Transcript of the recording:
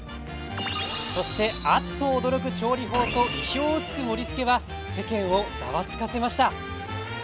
そして、あっと驚く調理法と意表をつく盛りつけは世間をざわつかせました。